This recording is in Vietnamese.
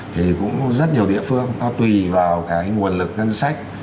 thì cũng rất nhiều địa phương nó tùy vào cái nguồn lực ngân sách